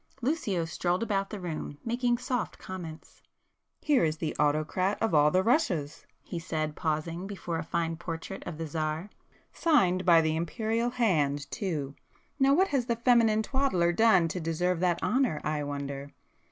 Lucio strolled about the room, making soft comments. "Here is the Autocrat of all the Russias," he said, pausing before a fine portrait of the Tsar—"Signed by the Imperial hand too. Now what has the 'feminine twaddler' done to deserve that honour I wonder!